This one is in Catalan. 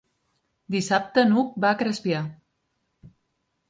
Dissabte n'Hug va a Crespià.